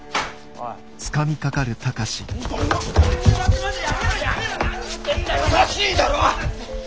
おかしいだろ！